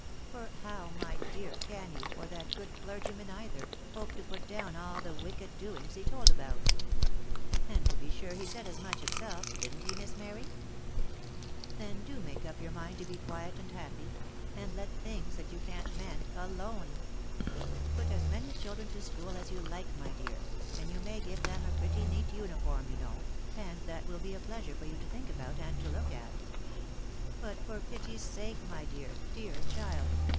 For how, my dear, can you, or that good clergyman either, hope to put down all the wicked doings he told.about ? And to be sure he said as much himself — didn't he Miss Mary ? Then do make up your mind to be quiet and happy, and let things that you can't mend, alone. Put as many children to school as you like, my dear, and you may give them a pretty neat uniform, you know, and that will be a pleasure for you to think about, and to look at ; but for pity's sake my dear, dear, child